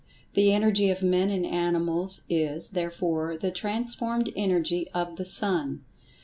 The energy of men and animals is, therefore, the transformed energy of the sun.